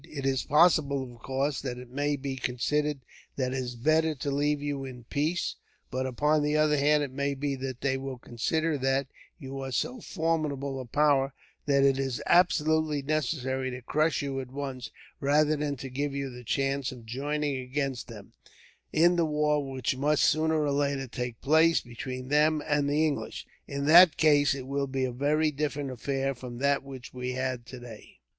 "It is possible, of course, that it may be considered that it is better to leave you in peace; but, upon the other hand, it may be that they will consider that you are so formidable a power, that it is absolutely necessary to crush you at once, rather than to give you the chance of joining against them, in the war which must sooner or later take place between them and the English. In that case, it will be a very different affair from that which we have had today.